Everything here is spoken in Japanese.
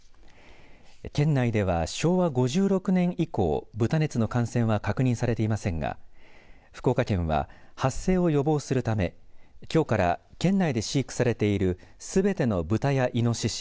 県内では昭和５６年以降豚熱の感染は確認されていませんが福岡県は発生を予防するためきょうから県内で飼育されているすべての豚やイノシシ